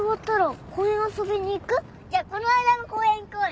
じゃこの間の公園行こうよ。